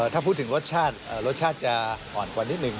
ถ้าพูดถึงรสชาติรสชาติจะอ่อนกว่านิดนึง